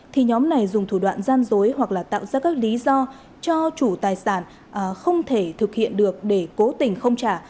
thì nhóm này dùng thủ đoạn gian dối hoặc là tạo ra các lý do cho chủ tài sản không thể thực hiện được để cố tình không trả